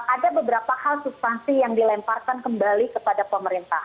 ada beberapa hal substansi yang dilemparkan kembali kepada pemerintah